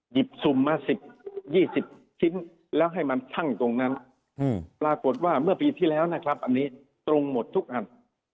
สุ่มมา๑๐๒๐ชิ้นแล้วให้มันชั่งตรงนั้นปรากฏว่าเมื่อปีที่แล้วนะครับอันนี้ตรงหมดทุกอัน